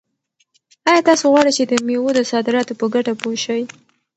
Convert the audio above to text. آیا تاسو غواړئ چې د مېوو د صادراتو په ګټه پوه شئ؟